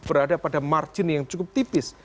berada pada margin yang cukup tipis